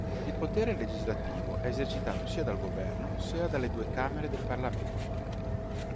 Il potere legislativo è esercitato sia dal governo sia dalle due camere del parlamento.